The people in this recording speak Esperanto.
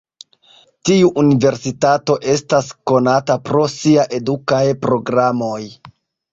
Tiu universitato estas konata pro sia edukaj programoj.